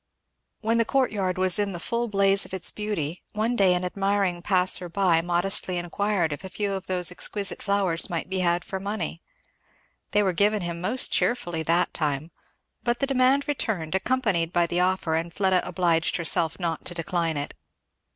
When the courtyard was in the full blaze of its beauty, one day an admiring passer by modestly inquired if a few of those exquisite flowers might be had for money. They were given him most cheerfully that time; but the demand returned, accompanied by the offer, and Fleda obliged herself not to decline it.